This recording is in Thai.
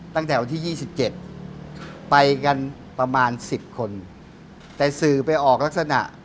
ตั้งแต่วันที่๒๗ไปกันประมาณสิบคนแต่สื่อไปออกลักษณะ